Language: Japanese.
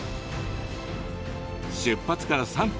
出発から３分。